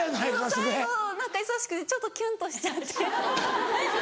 最後何か優しくてちょっとキュンとしちゃって。